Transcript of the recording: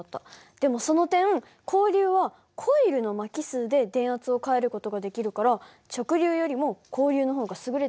でもその点交流はコイルの巻き数で電圧を変える事ができるから直流よりも交流の方が優れてるって事になるね。